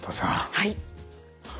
はい。